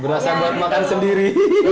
berasanya buat makan sendiri